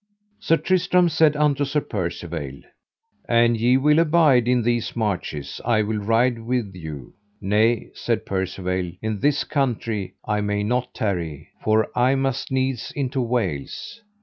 Sir Tristram said unto Sir Percivale: An ye will abide in these marches I will ride with you. Nay, said Percivale, in this country I may not tarry, for I must needs into Wales.